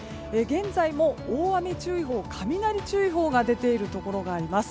現在も大雨注意報、雷注意報が出ているところがあります。